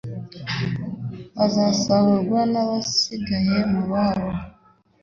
bazasahurwa n abasigaye bo mubabo